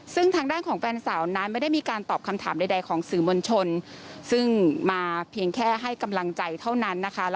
ซึ่งทางด้านของแฟนสาวนั้นไม่ได้มีการตอบคำถามใดของสื่อมวลชนซึ่งมาเพียงแค่ให้กำลังใจเท่านั้นนะคะ